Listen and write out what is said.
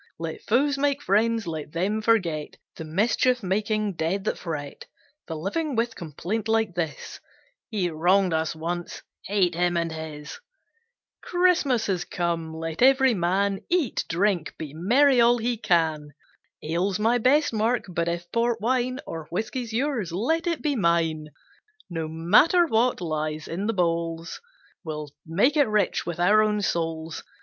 Let foes make friends: let them forget The mischief making dead that fret The living with complaint like this "He wronged us once, hate him and his." Christmas has come; let every man Eat, drink, be merry all he can. Ale's my best mark, but if port wine Or whisky's yours let it be mine; No matter what lies in the bowls, We'll make it rich with our own souls.